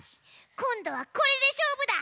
こんどはこれでしょうぶだ！